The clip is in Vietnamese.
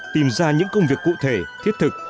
tìm ra những công việc cụ thể thiết thực